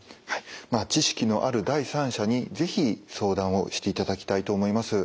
知識のある第三者に是非相談をしていただきたいと思います。